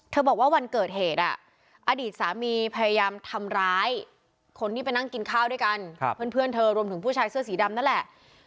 บอกว่าวันเกิดเหตุอดีตสามีพยายามทำร้ายคนที่ไปนั่งกินข้าวด้วยกันเพื่อนเธอรวมถึงผู้ชายเสื้อสีดำนั่นแหละ